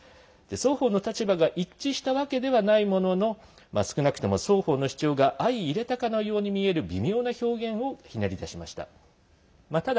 双方の立場が一致したわけではないものの少なくとも双方の主張が相いれたかのように見える微妙な表現をひねり出しました。